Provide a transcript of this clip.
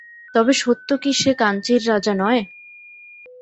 তবে সত্য কি সে কাঞ্চীর রাজা নয়?